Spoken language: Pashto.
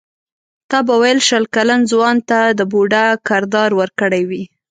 تا به ویل شل کلن ځوان ته د بوډا کردار ورکړی وي.